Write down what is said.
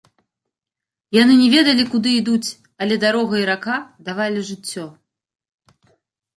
Яны не ведалі, куды ідуць, але дарога і рака давалі жыццё.